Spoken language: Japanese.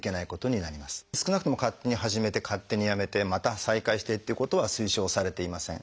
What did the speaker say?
少なくとも勝手に始めて勝手にやめてまた再開してっていうことは推奨されていません。